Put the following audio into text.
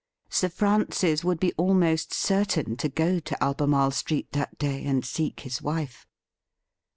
Sir Francis would be almost certain to go to Albemarle Street that day and seek his wife.